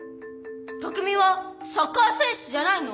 拓海はサッカー選手じゃないの？